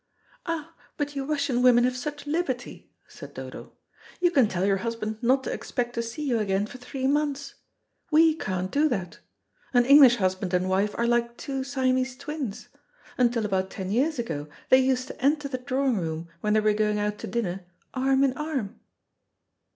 "Ah, but you Russian women have such liberty," said Dodo. "You can tell your husband not to expect to see you again for three months. We can't do that. An English husband and wife are like two Siamese twins. Until about ten years ago they used to enter the drawing room, when they were going out to dinner, arm in arm."